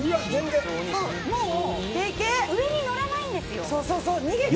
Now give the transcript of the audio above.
上に乗らないんですよ。